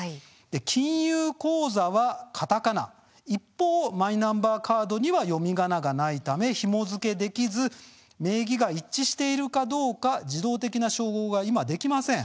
金融口座はカタカナ一方、マイナンバーカードに読みがながないためひも付けできず名義が一致しているかどうか自動的な照合が、今できません。